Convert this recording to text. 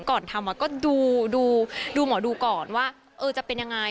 ก่อนทำก็ดูดูหมอดูก่อนว่าเออจะเป็นอย่างไร